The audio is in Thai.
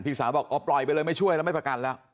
สาวบอกอ๋อปล่อยไปเลยไม่ช่วยแล้วไม่ประกันแล้ว